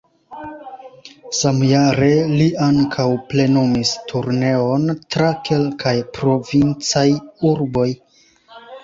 Samjare li ankaŭ plenumis turneon tra kelkaj provincaj urboj.